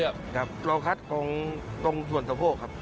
เราก็คัตตรงส่วนสะโพกครับ